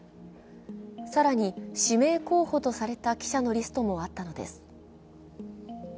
更に指名候補とされた記者のリストもあったのです。